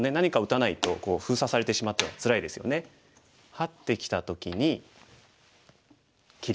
ハッてきた時に切り。